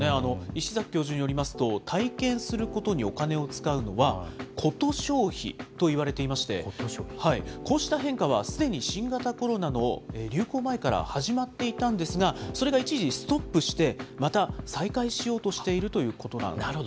石崎教授によりますと、体験することにお金を使うのは、コト消費といわれていまして、こうした変化はすでに新型コロナの流行前から始まっていたんですが、それが一時ストップして、また再開しようとしているということなんですよ。